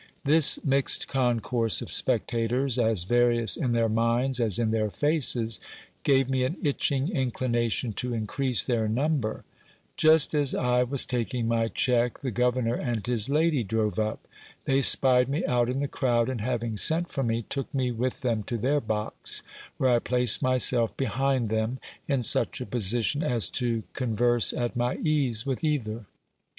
This mixed concourse of spectators, as various in their minds as in their faces, gave me an itching inclination to increase their number. Just as I The theatre. THE THEATRE AT VALEXCIA. 349 was taking my check, the governor and his lady drove up. They spied me out in the crowd, and having sent for me, took me with them to their box, where I placed myself behind them, in such a position as to converse at my ease with either.